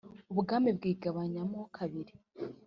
ubwami bwigabanya mo kabiri